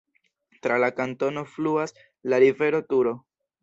Tra la kantono fluas la rivero Turo.